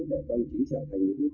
trở thành những người tốt